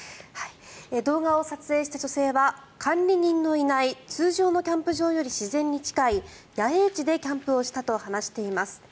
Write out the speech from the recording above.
動画を撮影した女性は管理人のいない通常のキャンプ場より自然に近い野営地でキャンプをしたと話しています。